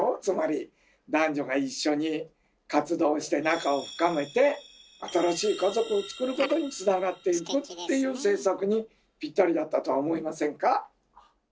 つまり男女が一緒に活動して仲を深めて新しい家族をつくることにつながっていくっていう政策にぴったりだったとは思いませんか？